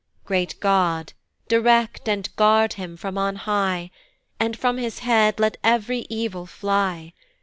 Great God, direct, and guard him from on high, And from his head let ev'ry evil fly!